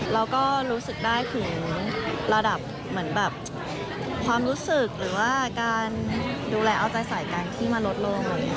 เราก็รู้สึกได้ถึงระดับเหมือนแบบความรู้สึกหรือว่าการดูแลเอาใจใส่กันที่มาลดลง